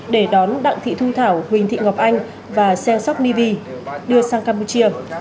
để đón đặng thị thu thảo huỳnh thị ngọc anh và xe sóc nivi đưa sang campuchia